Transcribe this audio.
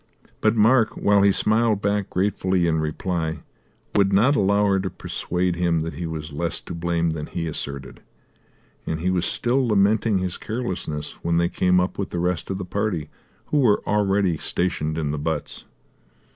But Mark, while he smiled back gratefully in reply, would not allow her to persuade him that he was less to blame than he asserted, and he was still lamenting his carelessness when they came up with the rest of the party, who were already stationed in the butts.